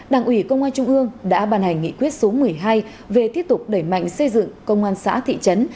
đảng ủy công an trung ương đã bàn hành nghị quyết số một mươi hai về tiếp tục đẩy mạnh xây dựng công an xã thị trấn